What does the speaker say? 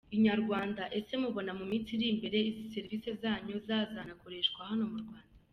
Inyarwanda: Ese mubona mu minsi iri imbere izi serivisi zanyu zazanakoreshwa hano mu Rwanda?.